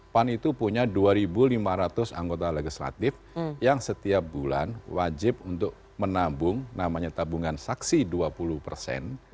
pan itu punya dua lima ratus anggota legislatif yang setiap bulan wajib untuk menabung namanya tabungan saksi dua puluh persen